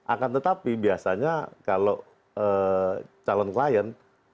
akan tetapi biasanya kalau calon klien